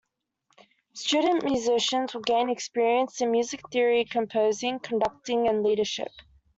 Student Musicians will gain experience in Music Theory, Composing, Conducting, and Leadership.